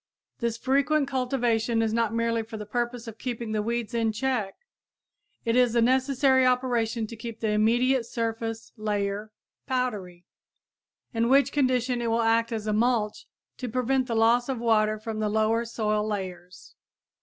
This frequent cultivation is not merely for the purpose of keeping the weeds in check; it is a necessary operation to keep the immediate surface layer powdery, in which condition it will act as a mulch to prevent the loss of water from the lower soil layers.